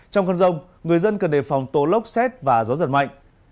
trong cơn rông người dân cần đề phòng tố lốc xét và gió giật mạnh